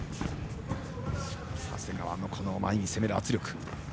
長谷川の前に攻める圧力。